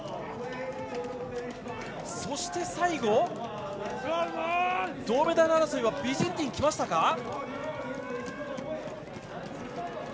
そして最後、銅メダル争いはビジンティンが来ましたか。